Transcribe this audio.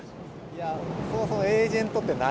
そもそもエージェントって何？